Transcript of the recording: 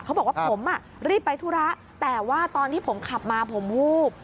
เขาบอกว่าผมรีบไปธุระแต่ว่าตอนที่ผมขับมาผมวูบ